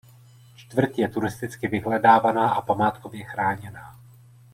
Čtvrť je turisticky vyhledávaná a památkově chráněná.